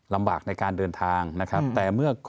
ลำบากในการเดินทางนะครับ